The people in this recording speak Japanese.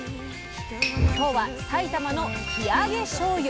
今日は埼玉の「生揚げしょうゆ」。